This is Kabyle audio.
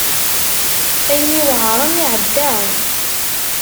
Ayen iweɛṛen iɛedda.